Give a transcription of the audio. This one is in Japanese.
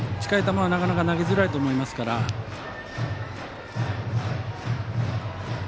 近い球は、なかなか投げづらいと思いますから。